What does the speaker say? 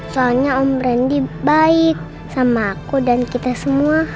soalnya om randy baik sama aku dan kita semua